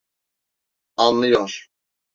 Anlıyor.